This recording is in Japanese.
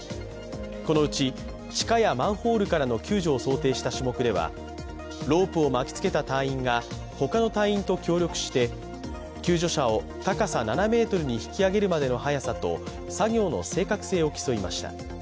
このうち地下やマンホールからの救助を想定した種目ではロープを巻きつけた隊員が他の隊員と協力して救助者を高さ７ｍに引き上げるまでの速さと作業の正確性を競いました。